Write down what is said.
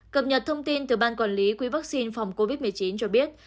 cập nhật thông tin từ ban quản lý quỹ vaccine phòng covid một mươi chín cho biết